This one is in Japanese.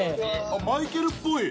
◆マイケルっぽい。